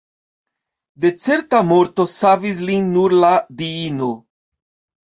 De certa morto savis lin nur la diino.